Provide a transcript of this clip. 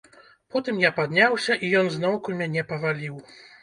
Потым я падняўся, і ён зноўку мяне паваліў.